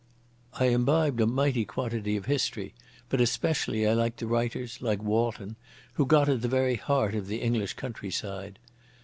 I imbibed a mighty quantity of history, but especially I liked the writers, like Walton, who got at the very heart of the English countryside.